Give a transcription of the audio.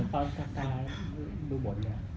ตอนค้าการหรือบทเนี่ย